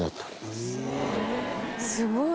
すごい！